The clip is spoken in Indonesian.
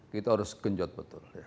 kita harus gunjot betul